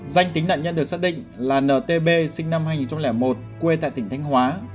danh tính nạn nhân được xác định là ntb sinh năm hai nghìn một quê tại tỉnh thanh hóa